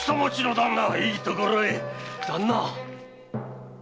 旦那！